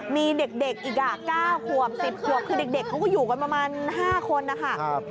มีเด็กอีก๙ขวบ๑๐ขวบคือเด็กเขาก็อยู่กันประมาณ๕คนนะคะ